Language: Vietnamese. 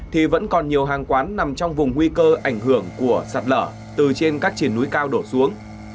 thì vẫn còn nhiều hàng quán nằm trong vùng nguy cơ ảnh hưởng của sạt lở từ trên các triển núi cao đổ xuống